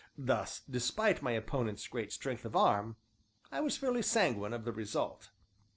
Thus, despite my opponent's great strength of arm, I was fairly sanguine of the result.